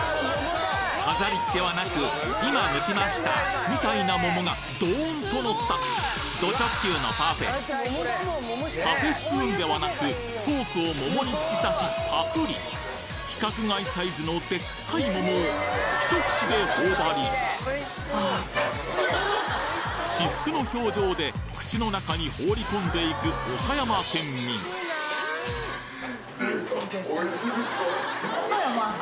飾りっ気はなく「今むきました」みたいな桃がドーンとのったド直球のパフェパフェスプーンではなくフォークを桃に突き刺しパクリ規格外サイズのでっかい桃を一口で頬張り至福の表情で口の中に放り込んでいく岡山県民おいしいですか。